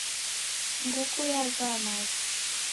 Nguku yavaa maghi.